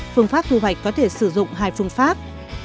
phương pháp thu hoạch có thể sử dụng hai phương pháp